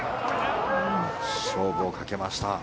勝負をかけました。